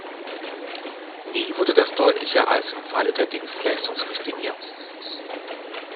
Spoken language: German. Nie wurde das deutlicher als im Falle der Dienstleistungsrichtlinie.